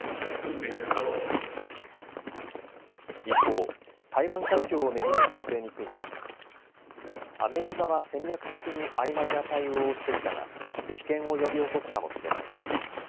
一方、台湾海峡を巡る情勢についてアメリカは戦略的にあいまいな対応をしてきたが危険を呼び起こすかもしれない。